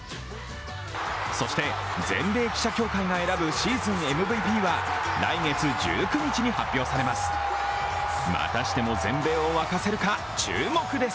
そして、全米記者協会が選ぶシーズンＭＶＰは来月１９日に発表されます。